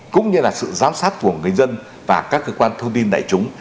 cũng như là sự giám sát của người dân và các cơ quan thông tin đại chúng